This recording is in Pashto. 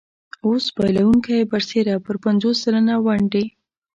اوس بایلونکی برسېره پر پنځوس سلنه ونډې.